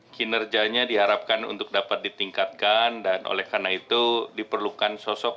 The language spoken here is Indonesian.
kinerjanya diharapkan untuk dapat ditingkatkan dan oleh karena itu diperlukan sosok